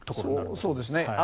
そうですね。